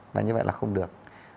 là như vậy là không được